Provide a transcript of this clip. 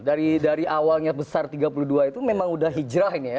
jadi dari awalnya besar tiga puluh dua itu memang sudah hijrah ini ya